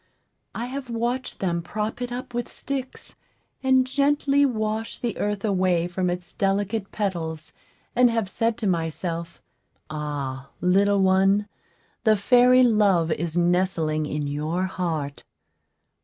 I have watched them prop it up with sticks, and gently wash the earth away from its delicate petals, and have said to myself, "Ah, little one, the fairy Love is nestling in your heart."